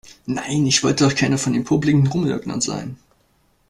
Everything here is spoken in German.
Nein, ich wollte doch keiner von den popeligen Rumnörglern sein.